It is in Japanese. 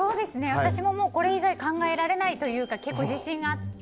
私もこれ以外考えられないというか結構、自信があって。